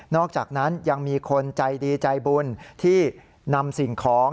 อกจากนั้นยังมีคนใจดีใจบุญที่นำสิ่งของ